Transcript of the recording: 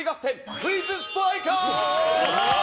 クイズストライカー！